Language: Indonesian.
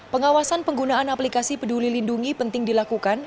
pengawasan penggunaan aplikasi peduli lindungi penting dilakukan